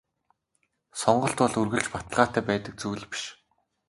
Сонголт бол үргэлж баталгаатай байдаг зүйл биш.